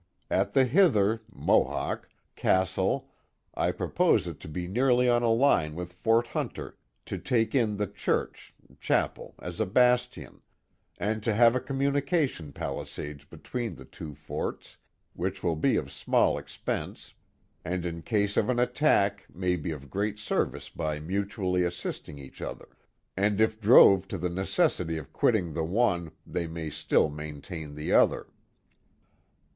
At the hither (Mohawk) castle I propose it to be nearly on a line with Fort Hunter, to take in the church (chapel) as a Bastion, and to have a communication Palisades between the two Forts, which will be of small Expense, and in case of an Attack may be of great service by mutually assisting each other, and if drove to the necessity of quitting the one, they may still maintain the other.